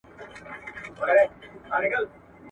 د محلي کلتور د ساتنې لپاره باید تعلیم ته وده ور وبخښل سي.